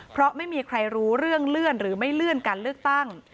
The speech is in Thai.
เพราะไม่มีใครรู้เรื่องเลื่อนหรือไม่เลื่อนการเลือกตั้ง